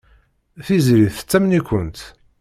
Tiziri tettamen-ikent.